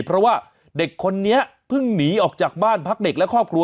เพราะว่าเด็กคนนี้เพิ่งหนีออกจากบ้านพักเด็กและครอบครัว